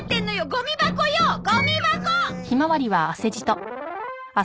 ゴミ箱よゴミ箱！